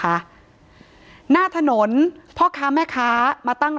ถ้าใครอยากรู้ว่าลุงพลมีโปรแกรมทำอะไรที่ไหนยังไง